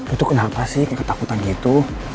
itu kenapa sih ketakutan gitu